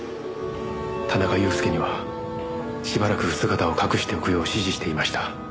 田中裕介にはしばらく姿を隠しておくよう指示していました。